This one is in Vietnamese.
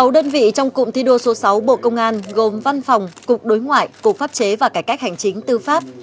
sáu đơn vị trong cụm thi đua số sáu bộ công an gồm văn phòng cục đối ngoại cục pháp chế và cải cách hành chính tư pháp